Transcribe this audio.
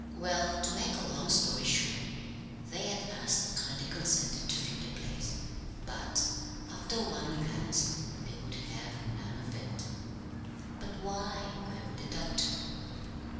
"Well, to make a long story short, they at last kindly consented to view the place; but, after one glance, they would have none of it." "But why?" queried the doctor.